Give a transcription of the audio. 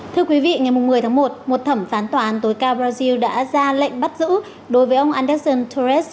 thưa quý vị ngày một mươi tháng một một thẩm phán tòa án tối cao brazil đã ra lệnh bắt giữ đối với ông alderson tourist